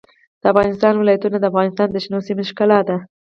د افغانستان ولايتونه د افغانستان د شنو سیمو ښکلا ده.